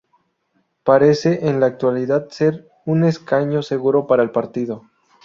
Parece, en la actualidad, ser un escaño seguro para el partido.